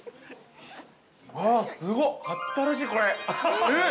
◆ああ、すご、新しい、これ。